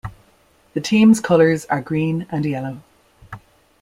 The team's colors are green and yellow.